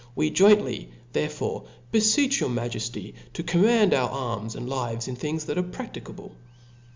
We jointly therefore hefeech your ma^ jejiy to command our arms and lives in things that are praliicable.